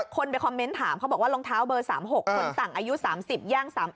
คนไปคอมเมนต์ถามเขาบอกว่ารองเท้าเบอร์๓๖คนสั่งอายุ๓๐ย่าง๓๑